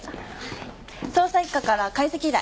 捜査一課から解析依頼